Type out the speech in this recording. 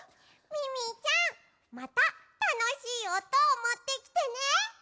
ミミィちゃんまたたのしいおとをもってきてね！